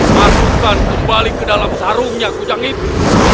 masukkan kembali ke dalam sarungnya kujang itu